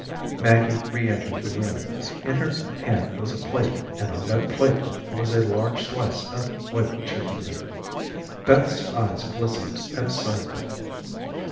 Maggie re entered the room. In her hand was a plate, and on that plate was a large slice of white chicken meat. Beth's eyes glistened at sight of it.